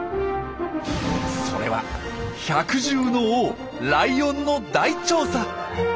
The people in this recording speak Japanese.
それは百獣の王ライオンの大調査！